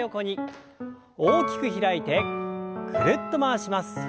大きく開いてぐるっと回します。